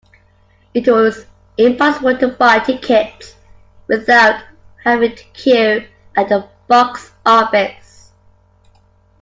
It was impossible to buy tickets without having to queue at the box office